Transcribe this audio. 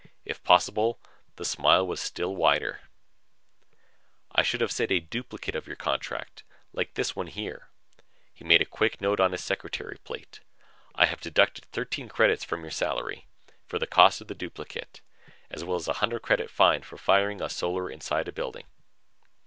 If possible, the smile was still wider now. "I should have said a duplicate of your contract like this one here." He made a quick note on his secretary plate. "I have deducted 13 credits from your salary for the cost of the duplicate as well as a 100 credit fine for firing a Solar inside a building."